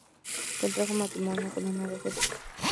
Contrajo matrimonio con Ana de Ojeda.